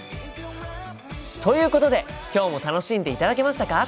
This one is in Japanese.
ということで今日も楽しんでいただけましたか？